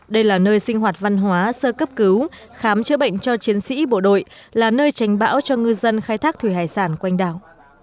đây là nơi sinh hoạt văn hóa sơ cấp cứu khám chữa bệnh cho chiến sĩ bộ đội là nơi tránh bão cho ngư dân khai thác thủy hải sản quanh đảo